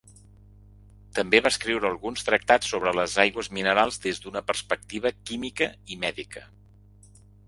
També va escriure alguns tractats sobre les aigües minerals des d'una perspectiva química i mèdica.